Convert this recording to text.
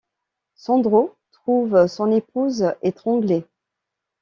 Sandro trouve son épouse étranglée.